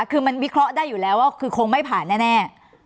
คือมันวิเคราะห์ได้อยู่แล้วว่าคือคงไม่ผ่านแน่